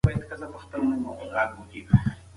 ماشومانو به په کوڅه کې یو بل پسې منډې وهلې.